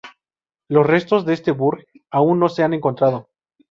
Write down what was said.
Los restos de este "Burg" aún no se han encontrado.